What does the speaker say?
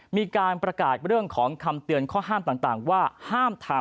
มีการประกาศเรื่องของคำเตือนข้อห้ามต่างว่าห้ามทำ